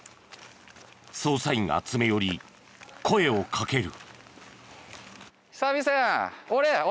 捜査員が詰め寄り声をかける。